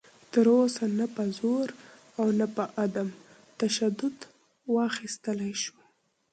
تر اوسه نه په زور او نه په عدم تشدد واخیستلی شو